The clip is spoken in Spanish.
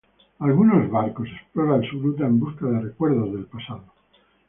Algunos barcos exploran sus grutas en busca de recuerdos del pasado.